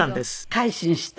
改心した。